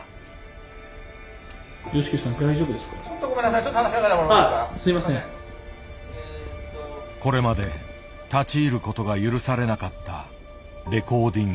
これまで立ち入ることが許されなかったレコーディング。